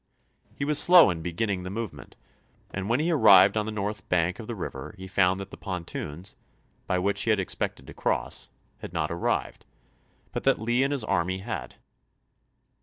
He was slow in beginning the movement, and when he ar rived on the north bank of the river he found that the pontoons, by which he had expected to cross, had not arrived, but that Lee and his army had.